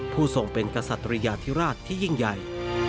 ทรงเป็นกษัตริยาธิราชที่ยิ่งใหญ่